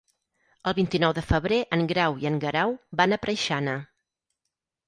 El vint-i-nou de febrer en Grau i en Guerau van a Preixana.